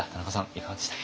いかがでしたか？